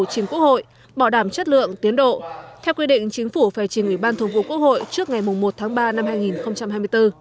chính quốc hội bỏ đảm chất lượng tiến độ theo quy định chính phủ phải trình ủy ban thường vụ quốc hội trước ngày một tháng ba năm hai nghìn hai mươi bốn